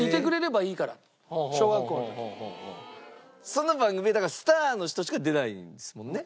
その番組はだからスターの人しか出ないんですもんね？